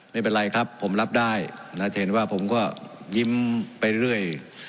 ไม่เป็นไรครับผมรับได้นะจะเห็นว่าผมก็ยิ้มไปเรื่อย